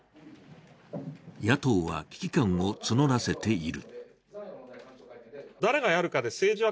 野党は危機感を募らせている。